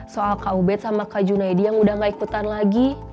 soal kak ubed sama kak junaidi yang udah gak ikutan lagi